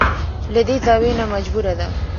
له دې زاويې نه مجبوره ده.